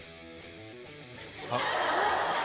あっ。